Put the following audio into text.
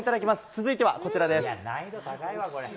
続いてはこちらです。